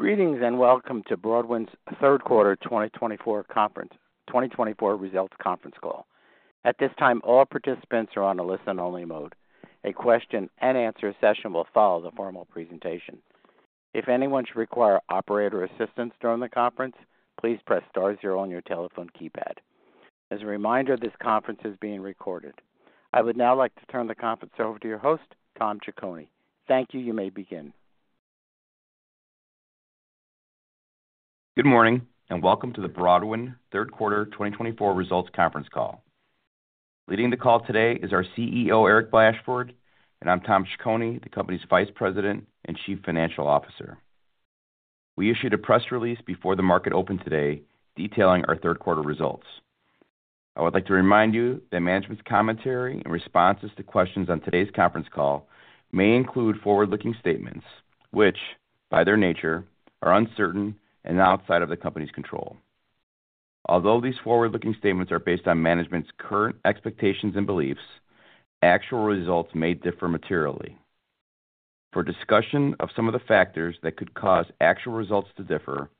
Greetings and welcome to Broadwind's Third Quarter 2024 Results Conference Call. At this time, all participants are on a listen-only mode. A question-and-answer session will follow the formal presentation. If anyone should require operator assistance during the conference, please press star zero on your telephone keypad. As a reminder, this conference is being recorded. I would now like to turn the conference over to your host, Tom Ciccone. Thank you. You may begin. Good morning and welcome to the Broadwind Third Quarter 2024 Results Conference Call. Leading the call today is our CEO, Eric Blashford, and I'm Tom Ciccone, the company's Vice President and Chief Financial Officer. We issued a press release before the market opened today detailing our third quarter results. I would like to remind you that management's commentary and responses to questions on today's conference call may include forward-looking statements which, by their nature, are uncertain and outside of the company's control. Although these forward-looking statements are based on management's current expectations and beliefs, actual results may differ materially. For discussion of some of the factors that could cause actual results to differ,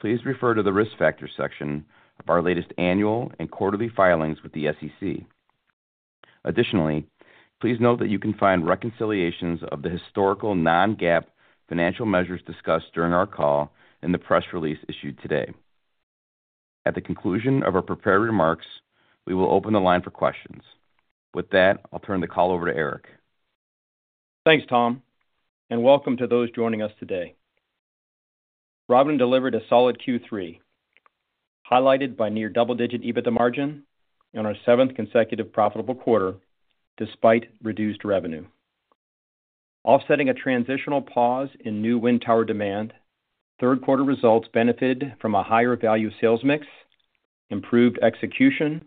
please refer to the risk factor section of our latest annual and quarterly filings with the SEC. Additionally, please note that you can find reconciliations of the historical non-GAAP financial measures discussed during our call in the press release issued today. At the conclusion of our prepared remarks, we will open the line for questions. With that, I'll turn the call over to Eric. Thanks, Tom, and welcome to those joining us today. Broadwind delivered a solid Q3, highlighted by near double-digit EBITDA margin in our seventh consecutive profitable quarter despite reduced revenue. Offsetting a transitional pause in new wind tower demand, third quarter results benefited from a higher value sales mix, improved execution,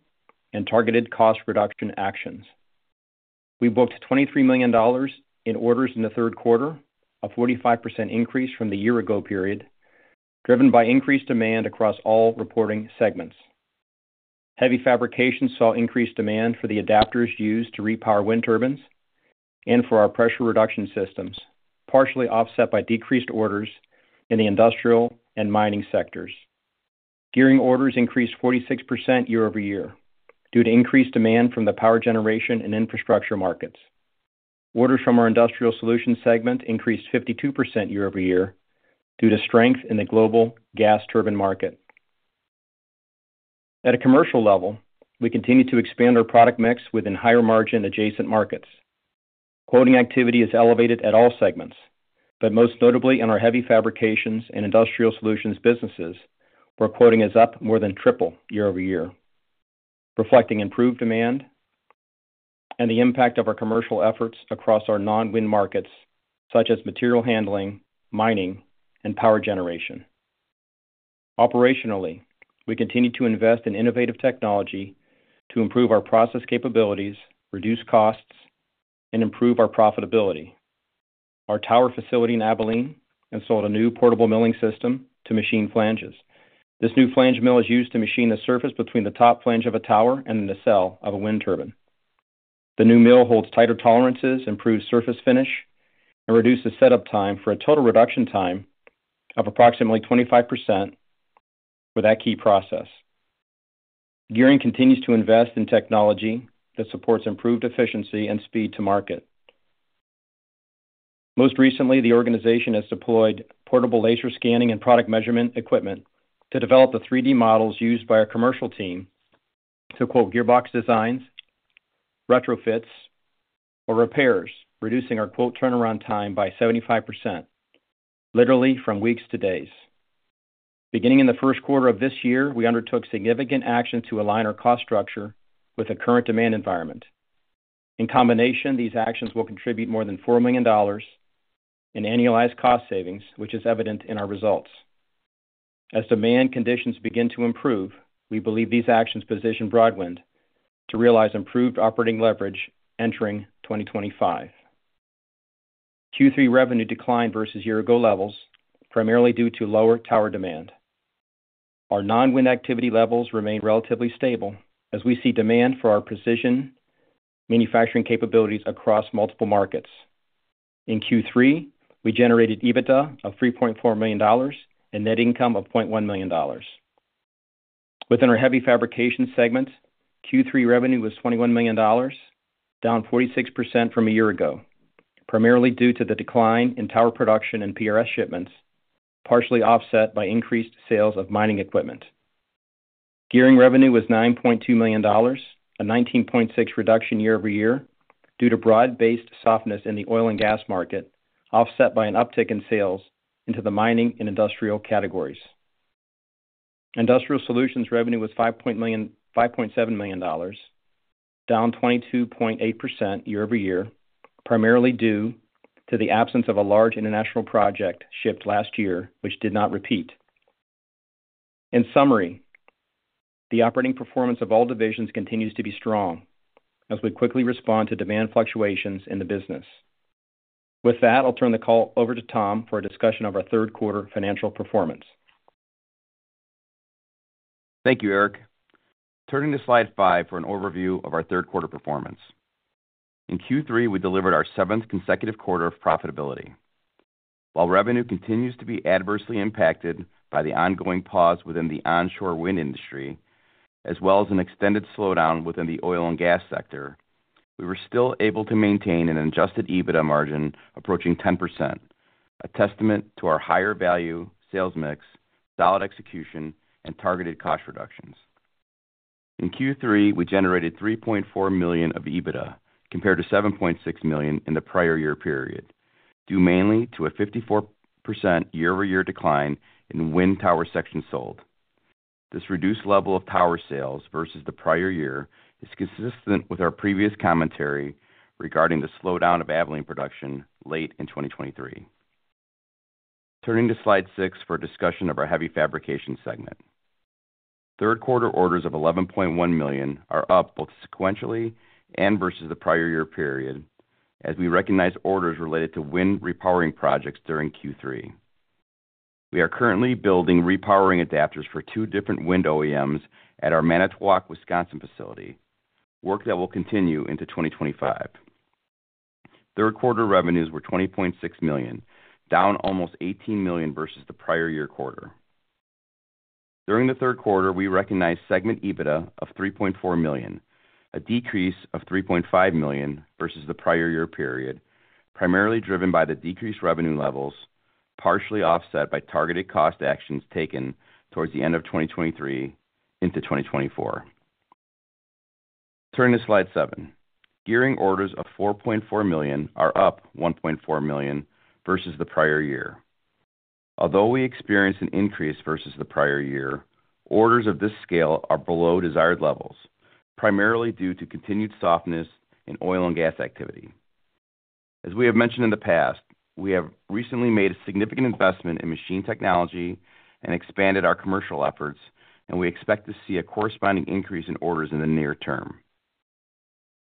and targeted cost reduction actions. We booked $23 million in orders in the third quarter, a 45% increase from the year-ago period, driven by increased demand across all reporting segments. Heavy Fabrication saw increased demand for the adapters used to re-power wind turbines and for our pressure reducing systems, partially offset by decreased orders in the industrial and mining sectors. Gearing orders increased 46% year-over-year due to increased demand from the Power Generation and Infrastructure Markets. Orders from our Industrial Solutions segment increased 52% year-over-year due to strength in the global Gas Turbine Market. At a commercial level, we continue to expand our product mix within higher margin adjacent markets. Quoting activity is elevated at all segments, but most notably in our Heavy Fabrications and Industrial Solutions businesses, where quoting is up more than triple year-over-year, reflecting improved demand and the impact of our commercial efforts across our non-wind markets such as material handling, mining, and Power Generation. Operationally, we continue to invest in innovative technology to improve our process capabilities, reduce costs, and improve our profitability. Our tower facility in Abilene has sold a new portable milling system to machine flanges. This new flange mill is used to machine the surface between the top flange of a tower and the nacelle of a wind turbine. The new mill holds tighter tolerances, improves surface finish, and reduces setup time for a total reduction time of approximately 25% with that key process. Gearing continues to invest in technology that supports improved efficiency and speed to market. Most recently, the organization has deployed portable laser scanning and product measurement equipment to develop the 3D models used by our commercial team to quote gearbox designs, retrofits, or repairs, reducing our quote turnaround time by 75%, literally from weeks to days. Beginning in the first quarter of this year, we undertook significant actions to align our cost structure with the current demand environment. In combination, these actions will contribute more than $4 million in annualized cost savings, which is evident in our results. As demand conditions begin to improve, we believe these actions position Broadwind to realize improved operating leverage entering 2025. Q3 revenue declined versus year-ago levels, primarily due to lower tower demand. Our non-wind activity levels remain relatively stable as we see demand for our precision manufacturing capabilities across multiple markets. In Q3, we generated EBITDA of $3.4 million and net income of $0.1 million. Within our Heavy Fabrication segment, Q3 revenue was $21 million, down 46% from a year ago, primarily due to the decline in tower production and PRS shipments, partially offset by increased sales of mining equipment. Gearing revenue was $9.2 million, a 19.6% reduction year-over-year due to broad-based softness in the oil and gas market, offset by an uptick in sales into the mining and industrial categories. Industrial Solutions revenue was $5.7 million, down 22.8% year-over-year, primarily due to the absence of a large international project shipped last year, which did not repeat. In summary, the operating performance of all divisions continues to be strong as we quickly respond to demand fluctuations in the business. With that, I'll turn the call over to Tom for a discussion of our third quarter financial performance. Thank you, Eric. Turning to slide five for an overview of our third quarter performance. In Q3, we delivered our seventh consecutive quarter of profitability. While revenue continues to be adversely impacted by the ongoing pause within the onshore wind industry, as well as an extended slowdown within the oil and gas sector, we were still able to maintain an Adjusted EBITDA margin approaching 10%, a testament to our higher value sales mix, solid execution, and targeted cost reductions. In Q3, we generated $3.4 million of EBITDA compared to $7.6 million in the prior year period, due mainly to a 54% year-over-year decline in wind tower sections sold. This reduced level of tower sales versus the prior year is consistent with our previous commentary regarding the slowdown of Abilene production late in 2023. Turning to slide six for a discussion of our Heavy Fabrication segment. Third quarter orders of $11.1 million are up both sequentially and versus the prior year period as we recognize orders related to wind re-powering projects during Q3. We are currently building re-powering adapters for two different wind OEMs at our Manitowoc, Wisconsin facility, work that will continue into 2025. Third quarter revenues were $20.6 million, down almost $18 million versus the prior year quarter. During the third quarter, we recognized segment EBITDA of $3.4 million, a decrease of $3.5 million versus the prior year period, primarily driven by the decreased revenue levels, partially offset by targeted cost actions taken towards the end of 2023 into 2024. Turning to slide seven, gearing orders of $4.4 million are up $1.4 million versus the prior year. Although we experienced an increase versus the prior year, orders of this scale are below desired levels, primarily due to continued softness in oil and gas activity. As we have mentioned in the past, we have recently made a significant investment in machine technology and expanded our commercial efforts, and we expect to see a corresponding increase in orders in the near term.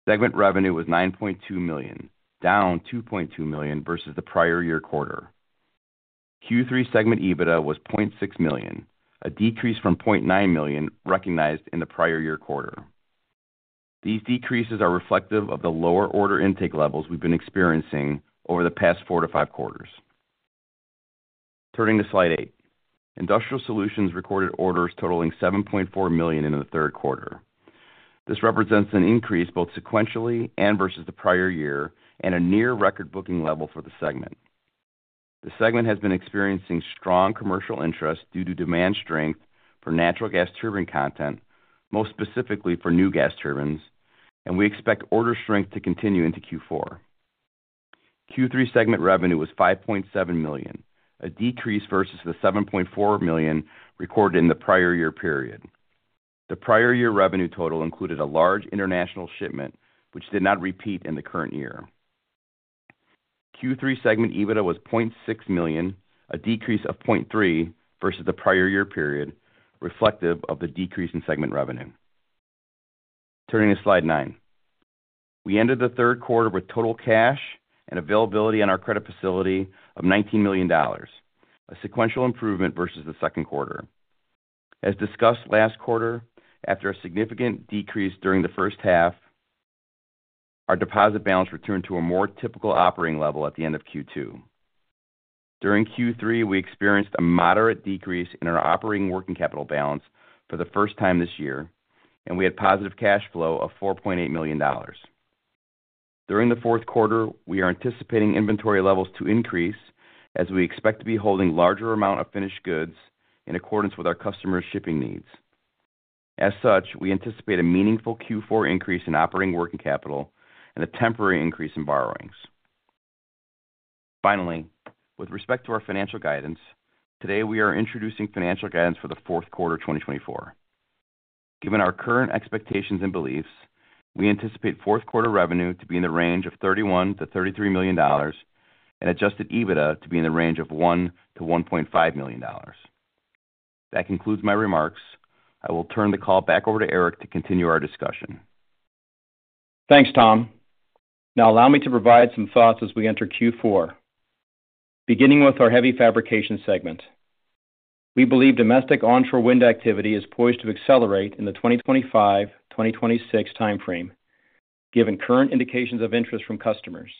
Segment revenue was $9.2 million, down $2.2 million versus the prior year quarter. Q3 segment EBITDA was $0.6 million, a decrease from $0.9 million recognized in the prior year quarter. These decreases are reflective of the lower order intake levels we've been experiencing over the past four to five quarters. Turning to slide eight, Industrial Solutions recorded orders totaling $7.4 million in the third quarter. This represents an increase both sequentially and versus the prior year and a near record booking level for the segment. The segment has been experiencing strong commercial interest due to demand strength for Natural Gas Turbine content, most specifically for New Gas Turbines, and we expect order strength to continue into Q4. Q3 segment revenue was $5.7 million, a decrease versus the $7.4 million recorded in the prior year period. The prior year revenue total included a large international shipment, which did not repeat in the current year. Q3 segment EBITDA was $0.6 million, a decrease of $0.3 versus the prior year period, reflective of the decrease in segment revenue. Turning to slide nine, we ended the third quarter with total cash and availability on our credit facility of $19 million, a sequential improvement versus the second quarter. As discussed last quarter, after a significant decrease during the first half, our deposit balance returned to a more typical operating level at the end of Q2. During Q3, we experienced a moderate decrease in our operating working capital balance for the first time this year, and we had positive cash flow of $4.8 million. During the fourth quarter, we are anticipating inventory levels to increase as we expect to be holding a larger amount of finished goods in accordance with our customers' shipping needs. As such, we anticipate a meaningful Q4 increase in operating working capital and a temporary increase in borrowings. Finally, with respect to our financial guidance, today we are introducing financial guidance for the fourth quarter 2024. Given our current expectations and beliefs, we anticipate fourth quarter revenue to be in the range of $31-$33 million and Adjusted EBITDA to be in the range of $1 million-$1.5 million. That concludes my remarks. I will turn the call back over to Eric to continue our discussion. Thanks, Tom. Now allow me to provide some thoughts as we enter Q4, beginning with our heavy fabrication segment. We believe domestic onshore wind activity is poised to accelerate in the 2025-2026 timeframe, given current indications of interest from customers.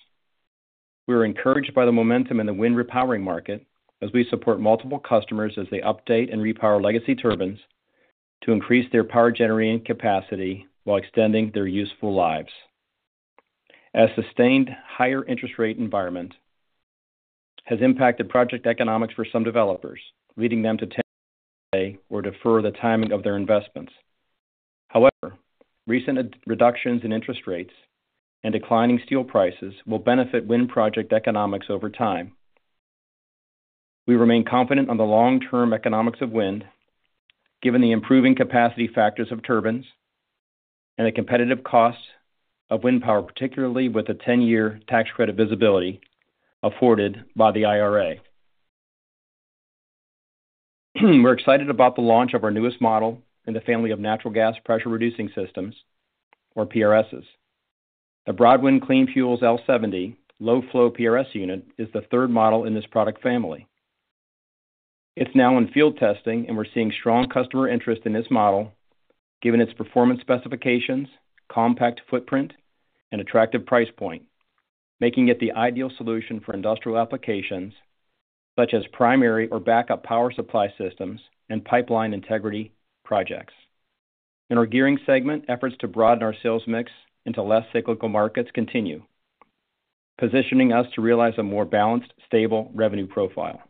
We are encouraged by the momentum in the wind re-powering market as we support multiple customers as they update and re-power legacy turbines to increase their power generating capacity while extending their useful lives. A sustained higher interest rate environment has impacted project economics for some developers, leading them to delay or defer the timing of their investments. However, recent reductions in interest rates and declining steel prices will benefit wind project economics over time. We remain confident on the long-term economics of wind, given the improving capacity factors of turbines and the competitive cost of wind power, particularly with the 10-year tax credit visibility afforded by the IRA. We're excited about the launch of our newest model in the family of natural gas pressure reducing systems, or PRSs. The Broadwind Clean Fuels L-70 Low-Flow PRS unit is the third model in this product family. It's now in field testing, and we're seeing strong customer interest in this model, given its performance specifications, compact footprint, and attractive price point, making it the ideal solution for industrial applications such as primary or backup power supply systems and pipeline integrity projects. In our gearing segment, efforts to broaden our sales mix into less cyclical markets continue, positioning us to realize a more balanced, stable revenue profile.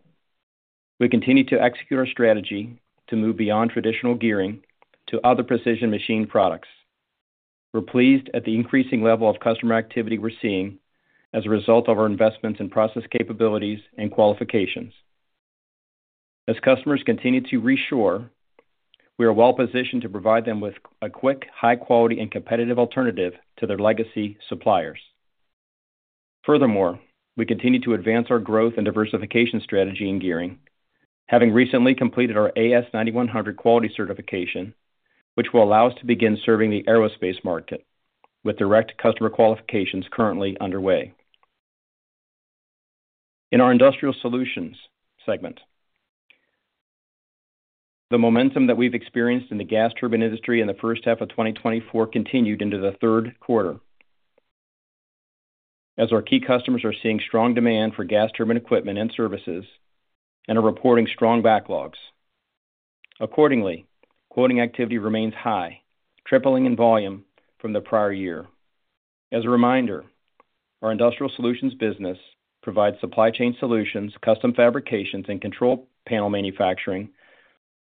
We continue to execute our strategy to move beyond traditional gearing to other precision machine products. We're pleased at the increasing level of customer activity we're seeing as a result of our investments in process capabilities and qualifications. As customers continue to reshore, we are well-positioned to provide them with a quick, high-quality, and competitive alternative to their legacy suppliers. Furthermore, we continue to advance our growth and diversification strategy in gearing, having recently completed our AS9100 quality certification, which will allow us to begin serving the aerospace market with direct customer qualifications currently underway. In our industrial solutions segment, the momentum that we've experienced in the Gas Turbine Industry in the first half of 2024 continued into the third quarter. As our key customers are seeing strong demand for Gas Turbine Equipment and Services and are reporting strong backlogs, accordingly, quoting activity remains high, tripling in volume from the prior year. As a reminder, our Industrial Solutions business provides supply chain solutions, custom fabrications, and control panel manufacturing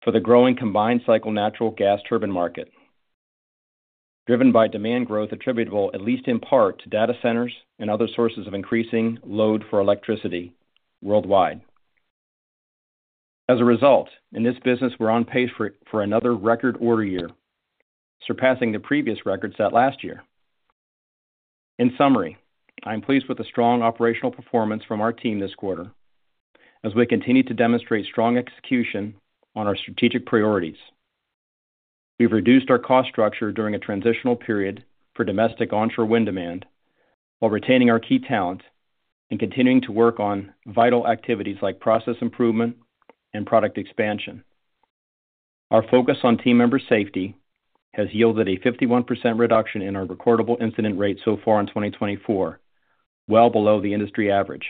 for the growing Combined Cycle natural Gas Turbine market, driven by demand growth attributable at least in part to data centers and other sources of increasing load for electricity worldwide. As a result, in this business, we're on pace for another record order year, surpassing the previous record set last year. In summary, I'm pleased with the strong operational performance from our team this quarter as we continue to demonstrate strong execution on our strategic priorities. We've reduced our cost structure during a transitional period for domestic onshore wind demand while retaining our key talent and continuing to work on vital activities like process improvement and product expansion. Our focus on team member safety has yielded a 51% reduction in our recordable incident rate so far in 2024, well below the industry average,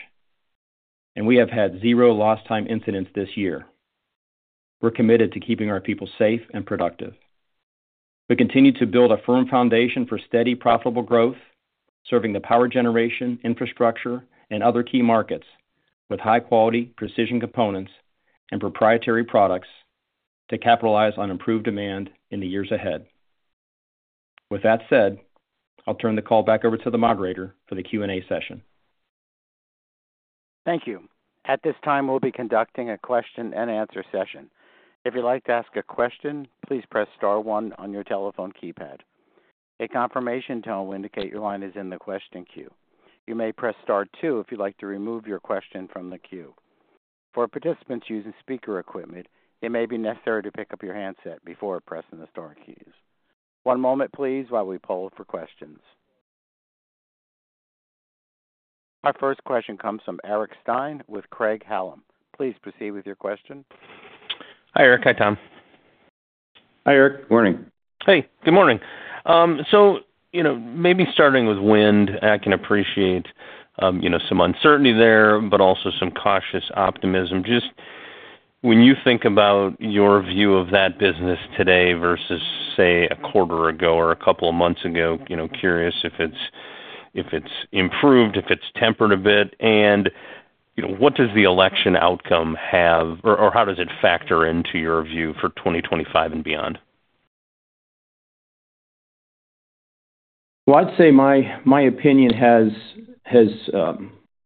and we have had zero lost-time incidents this year. We're committed to keeping our people safe and productive. We continue to build a firm foundation for steady, profitable growth, serving the power generation, infrastructure, and other key markets with high-quality, precision components and proprietary products to capitalize on improved demand in the years ahead. With that said, I'll turn the call back over to the moderator for the Q&A session. Thank you. At this time, we'll be conducting a question and answer session. If you'd like to ask a question, please press star one on your telephone keypad. A confirmation tone will indicate your line is in the question queue. You may press star two if you'd like to remove your question from the queue. For participants using speaker equipment, it may be necessary to pick up your handset before pressing the star keys. One moment, please, while we poll for questions. Our first question comes from Eric Stine with Craig-Hallum. Please proceed with your question. Hi, Eric. Hi, Tom. Hi, Eric. Good morning. Hey. Good morning. So maybe starting with wind, I can appreciate some uncertainty there, but also some cautious optimism. Just when you think about your view of that business today versus, say, a quarter ago or a couple of months ago, curious if it's improved, if it's tempered a bit, and what does the election outcome have, or how does it factor into your view for 2025 and beyond? I'd say my opinion has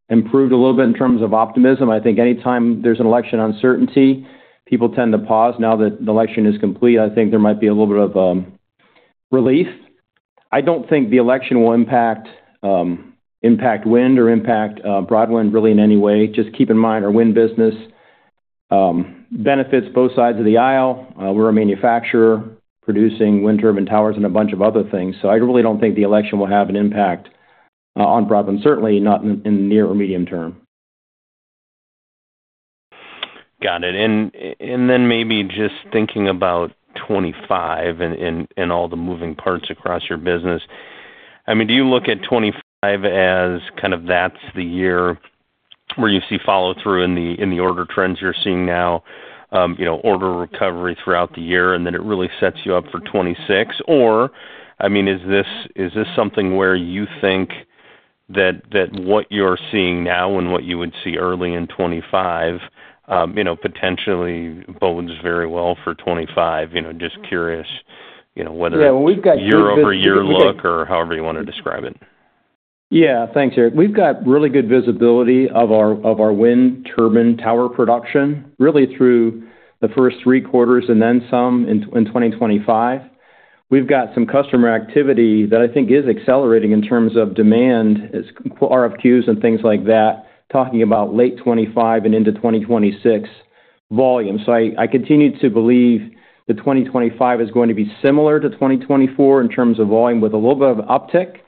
improved a little bit in terms of optimism. I think anytime there's an election uncertainty, people tend to pause. Now that the election is complete, I think there might be a little bit of relief. I don't think the election will impact wind or impact Broadwind really in any way. Just keep in mind our wind business benefits both sides of the aisle. We're a manufacturer producing wind turbine towers and a bunch of other things. So I really don't think the election will have an impact on Broadwind, certainly not in the near or medium term. Got it. And then maybe just thinking about 2025 and all the moving parts across your business, I mean, do you look at 2025 as kind of that's the year where you see follow-through in the order trends you're seeing now, order recovery throughout the year, and then it really sets you up for 2026? Or, I mean, is this something where you think that what you're seeing now and what you would see early in 2025 potentially bodes very well for 2025? Just curious whether it's a year-over-year look or however you want to describe it. Yeah. Thanks, Eric. We've got really good visibility of our wind turbine tower production really through the first three quarters and then some in 2025. We've got some customer activity that I think is accelerating in terms of demand, RFQs and things like that, talking about late 2025 and into 2026 volume. So I continue to believe that 2025 is going to be similar to 2024 in terms of volume with a little bit of uptick.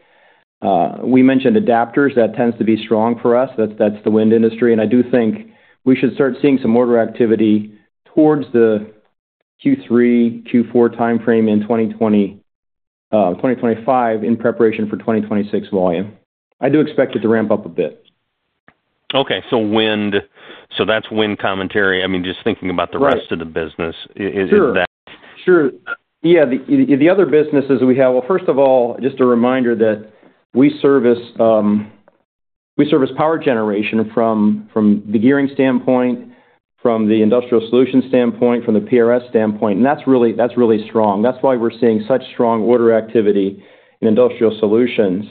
We mentioned adapters. That tends to be strong for us. That's the wind industry. And I do think we should start seeing some order activity towards the Q3, Q4 timeframe in 2025 in preparation for 2026 volume. I do expect it to ramp up a bit. Okay. So that's wind commentary. I mean, just thinking about the rest of the business, is that? Sure. Yeah. The other businesses we have, well, first of all, just a reminder that we service power generation from the gearing standpoint, from the industrial solutions standpoint, from the PRS standpoint. And that's really strong. That's why we're seeing such strong order activity in industrial solutions.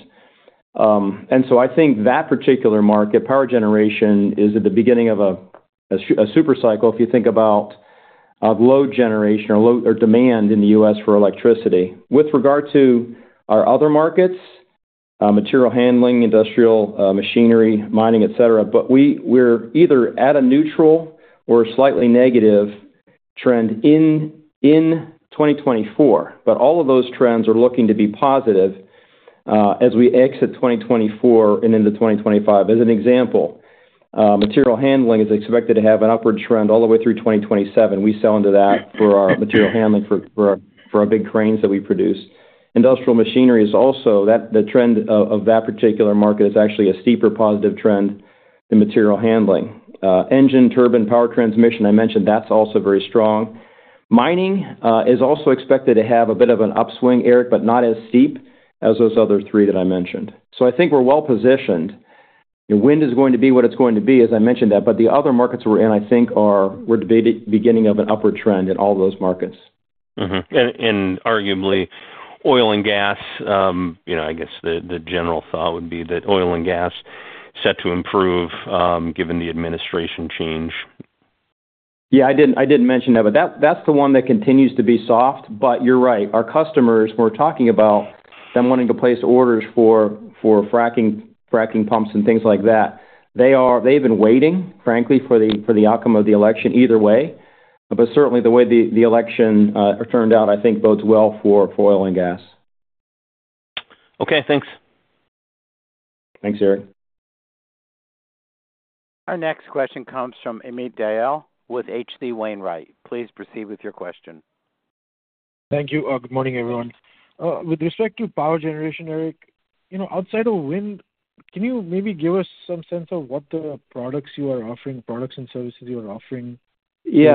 And so I think that particular market, Power Generation, is at the beginning of a Supercycle if you think about load generation or demand in the U.S. for electricity. With regard to our other markets, material handling, industrial machinery, mining, etc., but we're either at a neutral or a slightly negative trend in 2024. But all of those trends are looking to be positive as we exit 2024 and into 2025. As an example, material handling is expected to have an upward trend all the way through 2027. We sell into that for our material handling for our big cranes that we produce. Industrial machinery is also. The trend of that particular market is actually a steeper positive trend in material handling. Engine, turbine, power transmission, I mentioned, that's also very strong. Mining is also expected to have a bit of an upswing, Eric, but not as steep as those other three that I mentioned. So I think we're well-positioned. Wind is going to be what it's going to be, as I mentioned that. But the other markets we're in, I think, we're beginning of an upward trend in all those markets. Arguably, oil and gas, I guess the general thought would be that oil and gas set to improve given the administration change. Yeah. I didn't mention that, but that's the one that continues to be soft. But you're right. Our customers, we're talking about them wanting to place orders for fracking pumps and things like that. They've been waiting, frankly, for the outcome of the election either way. But certainly, the way the election turned out, I think, bodes well for oil and gas. Okay. Thanks. Thanks, Eric. Our next question comes from Amit Dayal with H.C. Wainwright. Please proceed with your question. Thank you. Good morning, everyone. With respect to power generation, Eric, outside of wind, can you maybe give us some sense of what the products you are offering, products and services you are offering? Thank you.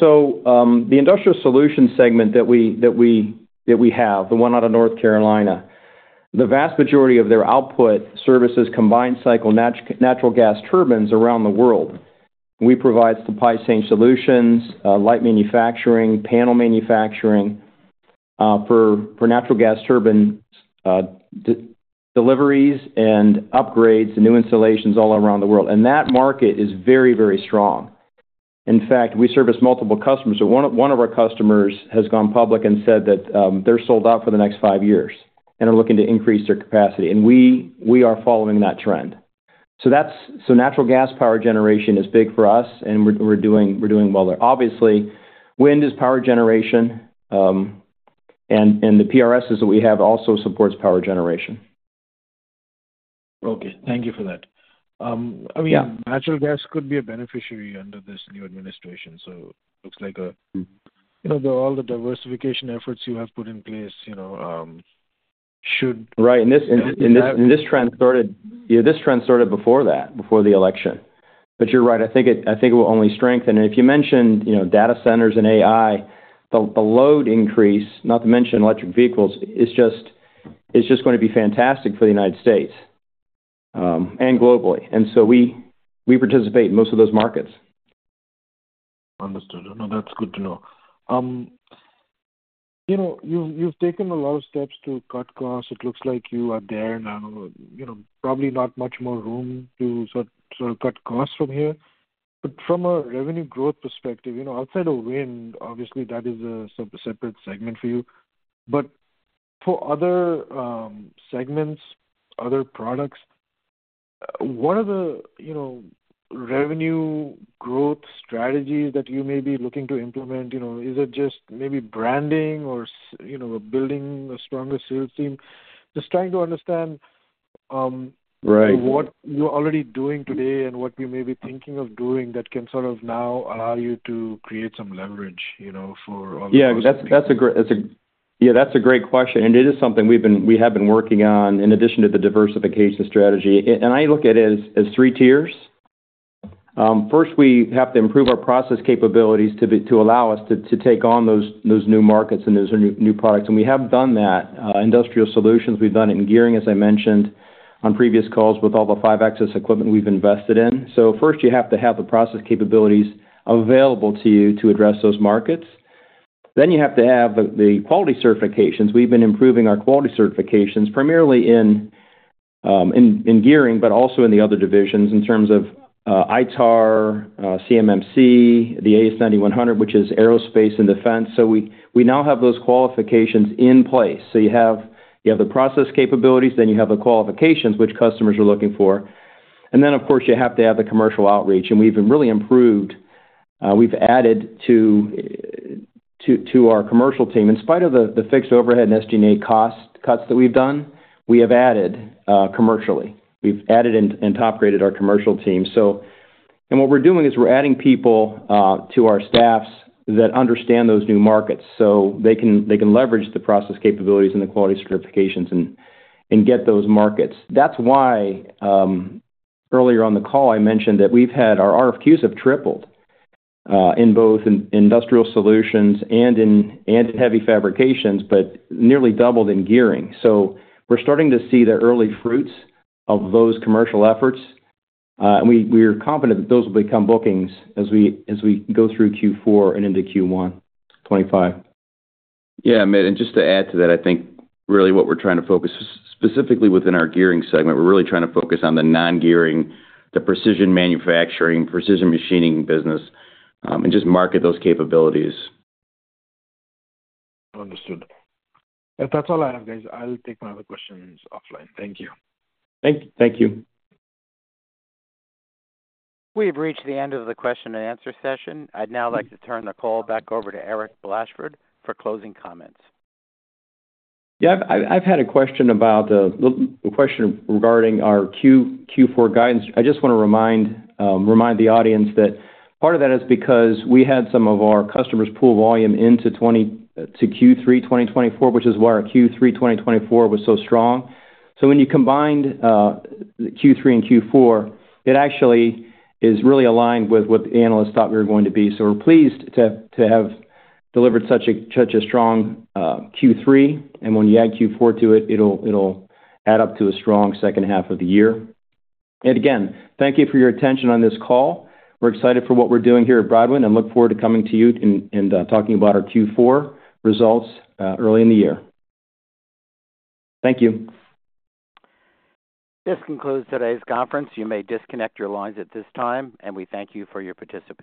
So the Industrial Solutions segment that we have, the one out of North Carolina, the vast majority of their output services Combined Cycle Natural Gas Turbines around the world. We provide supply chain solutions, light manufacturing, panel manufacturing for Natural Gas Turbine deliveries and upgrades and new installations all around the world. And that market is very, very strong. In fact, we service multiple customers. One of our customers has gone public and said that they're sold out for the next five years and are looking to increase their capacity. And we are following that trend. So natural gas power generation is big for us, and we're doing well there. Obviously, wind is Power Generation, and the PRSs that we have also supports power generation. Okay. Thank you for that. I mean, natural gas could be a beneficiary under this new administration. So it looks like all the diversification efforts you have put in place should. Right. And this trend started before that, before the election. But you're right. I think it will only strengthen. And if you mentioned data centers and AI, the load increase, not to mention electric vehicles, is just going to be fantastic for the United States and globally. And so we participate in most of those markets. Understood. No, that's good to know. You've taken a lot of steps to cut costs. It looks like you are there now, probably not much more room to sort of cut costs from here. But from a revenue growth perspective, outside of wind, obviously, that is a separate segment for you. But for other segments, other products, what are the revenue growth strategies that you may be looking to implement? Is it just maybe branding or building a stronger sales team? Just trying to understand what you're already doing today and what you may be thinking of doing that can sort of now allow you to create some leverage for all of those markets. Yeah. That's a great question, and it is something we have been working on in addition to the diversification strategy, and I look at it as three tiers. First, we have to improve our process capabilities to allow us to take on those new markets and those new products, and we have done that. Industrial Solutions, we've done it in gearing, as I mentioned on previous calls with all the five-axis equipment we've invested in, so first, you have to have the process capabilities available to you to address those markets, then you have to have the quality certifications. We've been improving our quality certifications primarily in gearing, but also in the other divisions in terms of ITAR, CMMC, the AS9100, which is aerospace and defense, so we now have those qualifications in place, so you have the process capabilities, then you have the qualifications, which customers are looking for. And then, of course, you have to have the commercial outreach. And we've really improved. We've added to our commercial team. In spite of the fixed overhead and SG&A cost cuts that we've done, we have added commercially. We've added and top-graded our commercial team. And what we're doing is we're adding people to our staffs that understand those new markets so they can leverage the process capabilities and the quality certifications and get those markets. That's why earlier on the call, I mentioned that our RFQs have tripled in both industrial solutions and heavy fabrications, but nearly doubled in gearing. So we're starting to see the early fruits of those commercial efforts. And we are confident that those will become bookings as we go through Q4 and into Q1 2025. Yeah. And just to add to that, I think really what we're trying to focus specifically within our gearing segment, we're really trying to focus on the non-gearing, the precision manufacturing, precision machining business, and just market those capabilities. Understood. That's all I have, guys. I'll take my other questions offline. Thank you. Thank you. We've reached the end of the question and answer session. I'd now like to turn the call back over to Eric Blashford for closing comments. Yeah. I've had a question about a question regarding our Q4 guidance. I just want to remind the audience that part of that is because we had some of our customers pull volume into Q3 2024, which is why our Q3 2024 was so strong. So when you combined Q3 and Q4, it actually is really aligned with what the analysts thought we were going to be. So we're pleased to have delivered such a strong Q3. And when you add Q4 to it, it'll add up to a strong second half of the year. And again, thank you for your attention on this call. We're excited for what we're doing here at Broadwind and look forward to coming to you and talking about our Q4 results early in the year. Thank you. This concludes today's conference. You may disconnect your lines at this time, and we thank you for your participation.